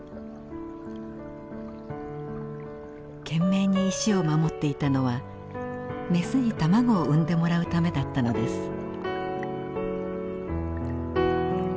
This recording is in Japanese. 懸命に石を守っていたのはメスに卵を産んでもらうためだったのです。